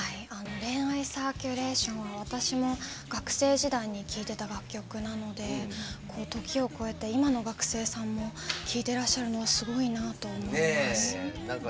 「恋愛サーキュレーション」は私も学生時代に聴いてた楽曲なので時を越えて今の学生さんも聴いてらっしゃるのはすごいなと思います。